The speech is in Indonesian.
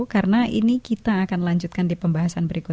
karena ini kita akan lanjutkan di pembahasan berikut